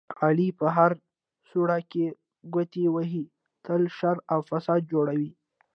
علي په هره سوړه کې ګوتې وهي، تل شر او فساد جوړوي.